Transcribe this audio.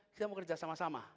kita mau kerja sama sama